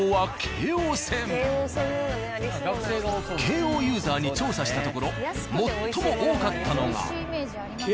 京王ユーザーに調査したところ最も多かったのが。